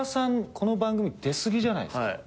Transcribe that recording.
この番組出すぎじゃないですか。